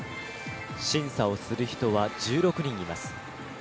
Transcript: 審査をする人は１６人います。